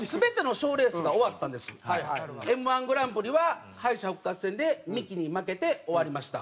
Ｍ−１グランプリは敗者復活戦でミキに負けて終わりました。